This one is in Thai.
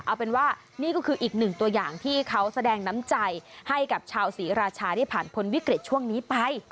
เอาเป็นว่านี่ก็คืออีกหนึ่งตัวอย่างที่เขาแสดงน้ำใจให้กับชาวศรีราชาได้ผ่านพ้นวิกฤตช่วงนี้ไป